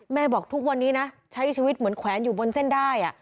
บอกทุกวันนี้นะใช้ชีวิตเหมือนแขวนอยู่บนเส้นได้